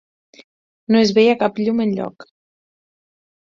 No es veia cap llum enlloc.